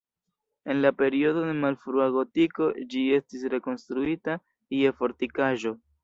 En la periodo de malfrua gotiko ĝi estis rekonstruita je fortikaĵo.